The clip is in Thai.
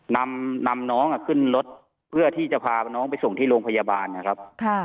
นำน้องขึ้นรถเพื่อที่จะพาน้องไปส่งที่โรงพยาบาลนะครับ